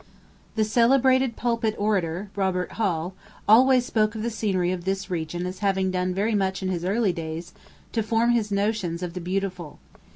The celebrated pulpit orator, Robert Hall, always spoke of the scenery of this region as having done very much in his early days to form his notions of the beautiful.